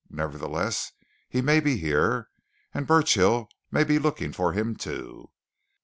"Nevertheless, he may be here. And Burchill may be looking for him, too.